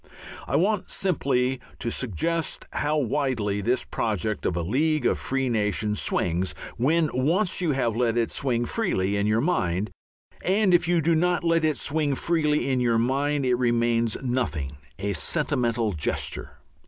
I want simply to suggest how widely this project of a League of Free Nations swings when once you have let it swing freely in your mind! And if you do not let it swing freely in your mind, it remains nothing a sentimental gesture.